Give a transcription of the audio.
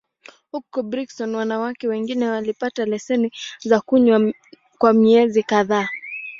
Huko Brigstock, wanawake wengine walipata leseni za kunywa kwa miezi kadhaa.